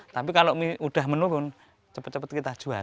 tapi kalau mie udah menurun cepat cepat kita jual